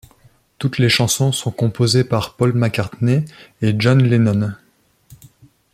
Toutes les chansons sont composées par Paul McCartney et John Lennon.